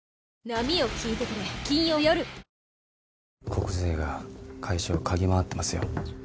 国税が会社を嗅ぎ回ってますよ。